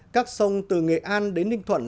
các sông từ nghệ an đến ninh thuận